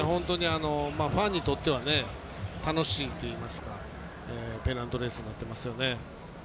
ファンにとっては楽しいといいますかペナントレースになってますよね。